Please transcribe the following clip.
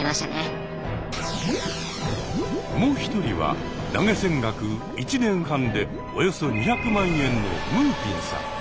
もう一人は投げ銭額１年半でおよそ２００万円のむーぴんさん。